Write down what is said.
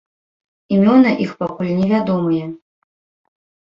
Імёны іх пакуль невядомыя.